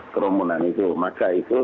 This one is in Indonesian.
kerumunan itu maka itu